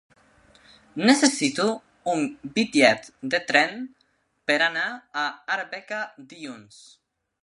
Necessito un bitllet de tren per anar a Arbeca dilluns.